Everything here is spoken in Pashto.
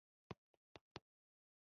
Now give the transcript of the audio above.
زموږ مخ مه ماتوه موږ یې په هر څه قبلوو.